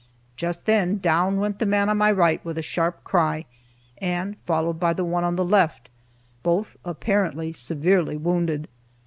Just then down went the man on my right with a sharp cry, and followed by the one on the left, both apparently severely wounded.